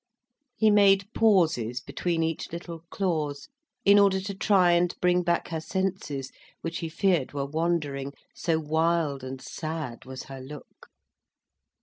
He made pauses between each little clause, in order to try and bring back her senses; which he feared were wandering—so wild and sad was her look.